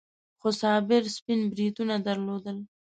خو صابر سپين بریتونه درلودل.